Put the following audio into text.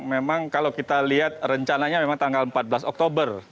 memang kalau kita lihat rencananya memang tanggal empat belas oktober